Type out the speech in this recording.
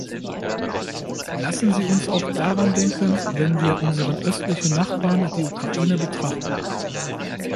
Lassen Sie uns auch daran denken, wenn wir unseren östlichen Nachbarn, die Ukraine, betrachten.